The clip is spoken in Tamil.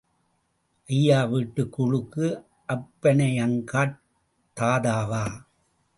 ஐயா வீட்டுக் கூழுக்கு அப்பணையங்கார்த் தாதாவா?